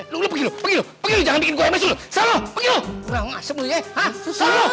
lo pergi lo jangan bikin gue emes lo